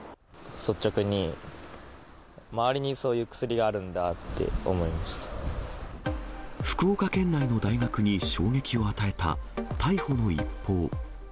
率直に周りにそういう薬があ福岡県内の大学に衝撃を与えた、逮捕の一報。